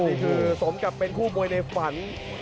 นี่คือสมกับเป็นคู่มวยในฝัน